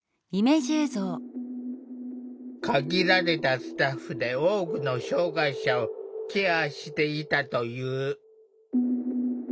限られたスタッフで多くの障害者をケアしていたという。